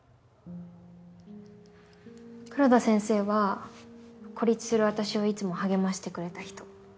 黒田先生は孤立する私をいつも励ましてくれた人。